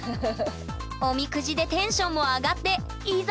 おみくじでテンションも上がっていざ